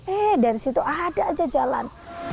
eh dari situ ada aja jalan